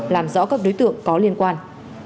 làm rõ các đối tượng có liên quan